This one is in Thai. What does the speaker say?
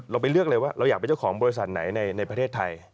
ไปเลือกเลยว่าเราอยากเป็นเจ้าของบริษัทไหนในประเทศไทย